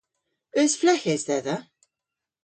Eus fleghes dhedha?